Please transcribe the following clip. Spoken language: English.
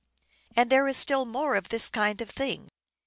And there is still more of this kind of thing.